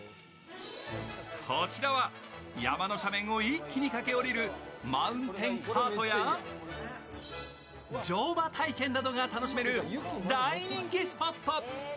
こちらは山の斜面を一気に駆け下りるマウンテンカートや乗馬体験などが楽しめる大人気スポット。